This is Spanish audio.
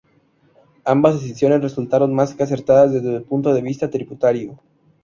Ambas decisiones resultaron más que acertadas desde el punto de vista tributario.